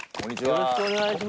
よろしくお願いします。